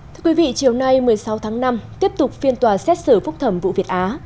thưa quý vị chiều nay một mươi sáu tháng năm tiếp tục phiên tòa xét xử phúc thẩm vụ việt á